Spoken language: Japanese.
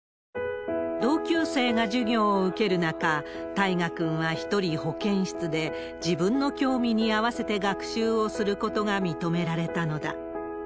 同級生が授業を受ける中、大芽くんは１人保健室で、自分の興味に合わせて学習をすることが認められたのだ。